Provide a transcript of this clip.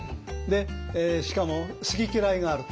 でしかも好き嫌いがある。